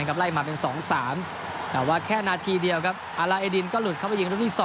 ไล่มาเป็น๒๓แต่ว่าแค่นาทีเดียวครับอาราเอดินก็หลุดเข้าไปยิงรุ่นที่๒